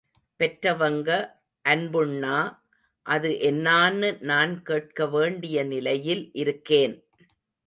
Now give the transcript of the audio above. பெற்றவங்க அன்புண்ணா அது என்னான்னு நான் கேட்க வேண்டிய நிலையில் இருக்கேன்.